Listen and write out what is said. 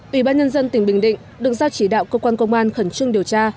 ủy ban nhân dân tỉnh bình định được giao chỉ đạo cơ quan công an khẩn trương điều tra